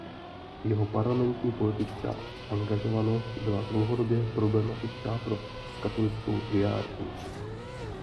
Jeho parlamentní politická angažovanost byla dlouhodobě problematická pro katolickou hierarchii.